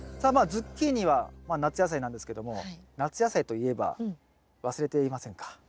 ズッキーニは夏野菜なんですけども夏野菜といえば忘れていませんか？